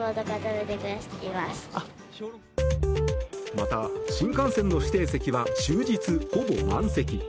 また、新幹線の指定席は終日ほぼ満席。